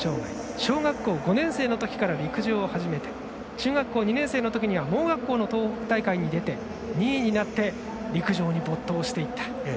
小学校５年生のときから陸上を始めて中学校２年生のときには盲学校の東北大会に出て２位になって陸上に没頭していった。